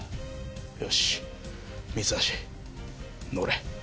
よし、三橋、乗れ。